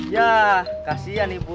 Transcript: ya kasihan ibu